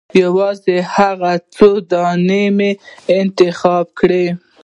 یوازې هغه څو دانې مې انتخاب کړې.